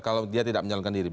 kalau dia tidak menjalankan diri